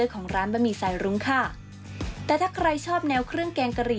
ของร้านบะหมี่สายรุ้งค่ะแต่ถ้าใครชอบแนวเครื่องแกงกะหรี